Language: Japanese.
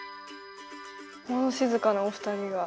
物静かなお二人が。